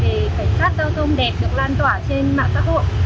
thì cảnh sát giao thông đẹp được lan tỏa trên mạng xã hội